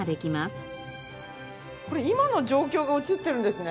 これ今の状況が映ってるんですね。